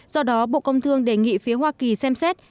do đó bộ công thương đề nghị phía hoa kỳ xem xét